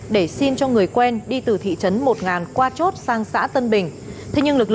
để xin cho người quen đi từ thị trấn một qua chốt sang xã tân bình